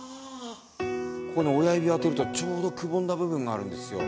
親指当てるとちょうどくぼんだ部分があるんですよ。